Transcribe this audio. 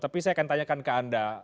tapi saya akan tanyakan ke anda